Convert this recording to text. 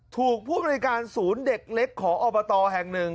ถูกผู้บริการศูนย์เด็กเล็กของอบตแห่งหนึ่ง